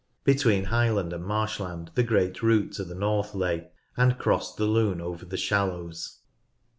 Between highland and marshland the great route to the north lay, and crossed the Lune over the shallows.